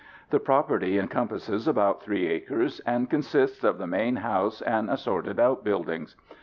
The property encompasses about three acres and consists of the main house and assorted outbuildings.